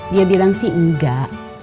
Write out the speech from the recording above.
dia bilang sih enggak